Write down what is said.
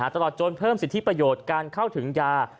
ตลอดจนเพิ่มสิทธิประโยชน์การเข้าถึงยา